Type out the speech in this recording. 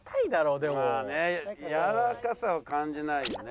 やわらかさを感じないよね。